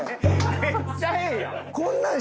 めっちゃええやん。